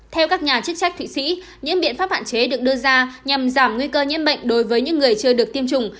theo các nhà chức trách thụy sĩ những biện pháp hạn chế được đưa ra nhằm giảm nguy cơ nhiễm bệnh đối với những người chưa được tiêm chủng